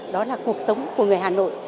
đó là cuộc sống của người hà nội